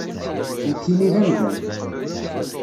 Nekkini d amdan.